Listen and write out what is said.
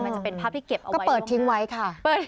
มันจะเป็นภาพที่เก็บก็เปิดทิ้งไว้ค่ะ